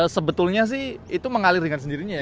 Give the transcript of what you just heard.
sebetulnya sih itu mengalir dengan sendirinya ya